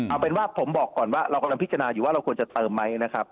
เอาเป็นว่าผมบอกก่อนว่าเรากำลังพิจารณาอยู่ว่าเราควรจะเติมไหมนะครับ